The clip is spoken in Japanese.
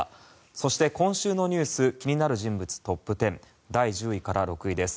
そして、今週のニュース気になる人物トップ１０第１０位から６位です。